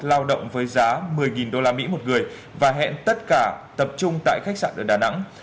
lao động với giá một mươi usd một người và hẹn tất cả tập trung tại khách sạn ở đà nẵng